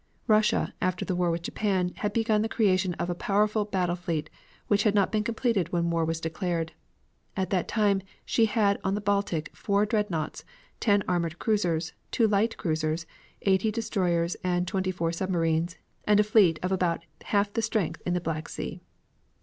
Russia, after the war with Japan, had begun the creation of a powerful battle fleet, which had not been completed when war was declared. At that time she had on the Baltic four dreadnaughts, ten armored cruisers, two light cruisers, eighty destroyers and twenty four submarines, and a fleet of about half the strength in the Black Sea.